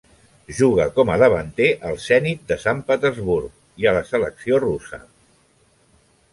Juga com a davanter al Zenit de Sant Petersburg i a la selecció russa.